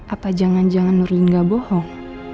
apa jangan jangan nurlin gak bohong